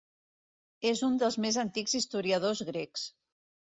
És un dels més antics historiadors grecs.